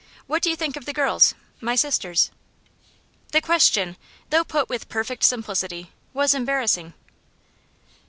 What do you think of the girls, my sisters?' The question, though put with perfect simplicity, was embarrassing.